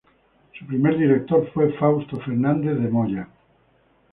Su primer director fue Fausto Fernández de Moya.